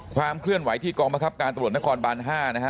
ความเคลื่อนไหวที่กองบังคับการตำรวจนครบาน๕นะฮะ